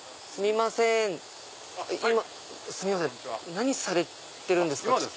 何されてるんですか？